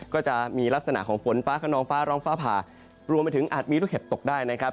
ก็จะมีลักษณะของฝนฟ้าขนองฟ้าร้องฟ้าผ่ารวมไปถึงอาจมีลูกเห็บตกได้นะครับ